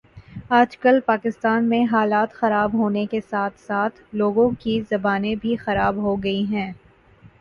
آج کل پاکستان میں حالات خراب ہونے کے ساتھ ساتھ لوگوں کی زبانیں بھی خراب ہو گئی ہیں